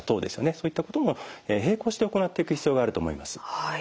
そういったことも並行して行っていく必要があると思います。